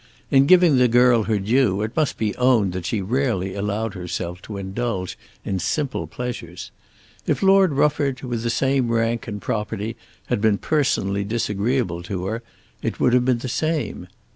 In giving the girl her due it must be owned that she rarely allowed herself to indulge in simple pleasures. If Lord Rufford, with the same rank and property, had been personally disagreeable to her it would have been the same.